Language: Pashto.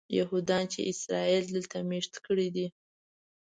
یهودیان چې اسرائیل دلته مېشت کړي دي.